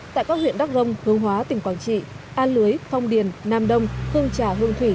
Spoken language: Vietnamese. tại các huyện đắk rông hương hóa tỉnh quảng trị an lưới phong điền nam đông hương trà hương thủy